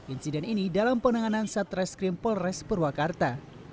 insiden ini dalam penanganan satres krim polres purwakarta